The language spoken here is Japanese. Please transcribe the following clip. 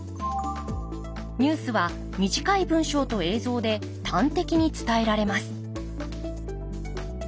ニュースは短い文章と映像で端的に伝えられます